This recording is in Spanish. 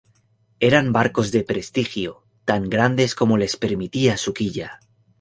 Eran barcos de prestigio, tan grandes como les permitía su quilla.